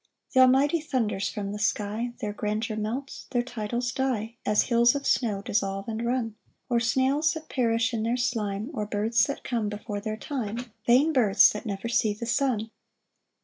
5 Th' Almighty thunders from the sky, Their grandeur melts, their titles die, As hills of snow dissolve and run, Or snails that perish in their slime, Or births that come before their time, Vain births, that never see the sun.